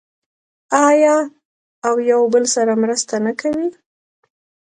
آیا او یو بل سره مرسته نه کوي؟